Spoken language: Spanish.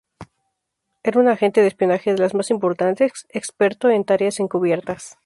Era una agente de espionaje de las más importantes, experto en tareas encubiertas.